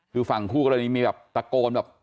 คือฝั่งคู่กรณีมีแบบตะโกนแบบ